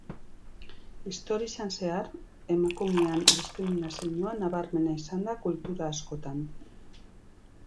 Historian zehar, emakumearen diskriminazioa nabarmena izan da kultura askotan.